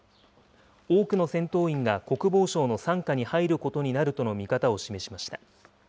多くの戦闘員が国防省の傘下に入ることになるとの見方を示しました。